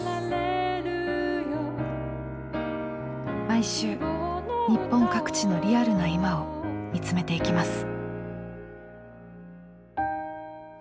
毎週日本各地のリアルな今を見つめていきます。